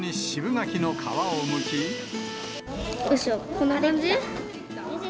こんな感じ？